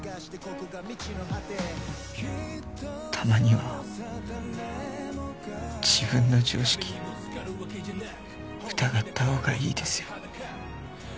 たまには自分の常識疑ったほうがいいですよ。